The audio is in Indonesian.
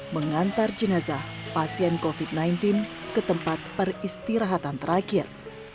mengantar jenazah pasien covid sembilan belas ke tempat peristirahatan terakhir